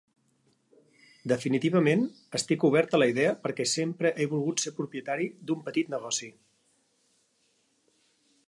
Definitivament, estic obert a la idea perquè sempre he volgut ser propietari d'un petit negoci.